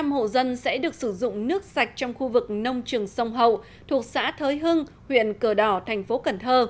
hai tám trăm linh hộ dân sẽ được sử dụng nước sạch trong khu vực nông trường sông hậu thuộc xã thới hưng huyện cờ đỏ tp cn